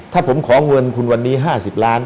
ถ้าผมขอเงินคุณวันนี้๕๐ล้าน